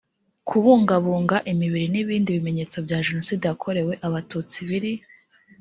kubungabunga imibiri n ibindi bimenyetso bya jenoside yakorewe abatutsi biri